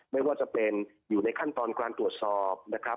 ไม่ว่าจะเป็นอยู่ในขั้นตอนการตรวจสอบนะครับ